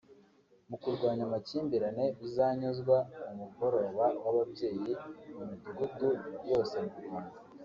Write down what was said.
mu kurwanya amakimbirane bizanyuzwa mu mugoroba w’ababyeyi mu midugudu yose mu Rwanda